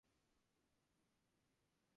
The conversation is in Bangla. যদিও বয়স অনেক হইয়াছিল তবু তখনো আমি সিধা ছিলাম।